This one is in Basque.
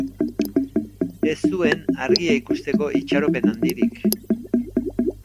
Ez zuen argia ikusteko itxaropen handirik.